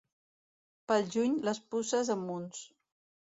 Pel juny, les puces a munts.